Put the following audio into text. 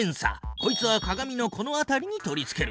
こいつは鏡のこの辺りに取り付ける。